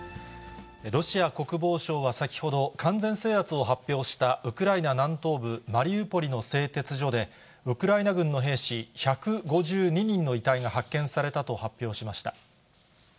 ロシア国防省は先ほど、完全制圧を発表したウクライナ南東部マリウポリの製鉄所で、ウクライナ軍の兵士１５２人の遺体が発見されたと発表しました。